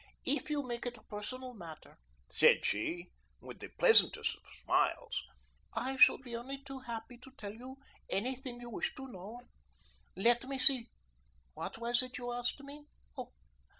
If you make it a personal matter," said she, with the pleasantest of smiles, "I shall be only too happy to tell you any thing you wish to know. Let me see; what was it you asked me?